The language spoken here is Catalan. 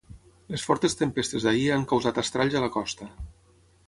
Les fortes tempestes d'ahir han causat estralls a la costa.